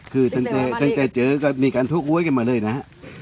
คือตั้งแต่เจอก็มีการทุกข์เว้ยกันมาเลยนะ